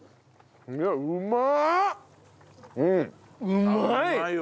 うまい！